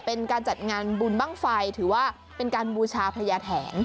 เป็นการจัดงานบุญบ้างไฟถือว่าเป็นการบูชาพระยาแถน